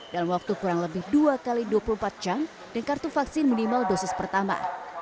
dalam waktu kurang lebih dua x dua puluh empat jam dan kartu vaksin minimal dosis pertama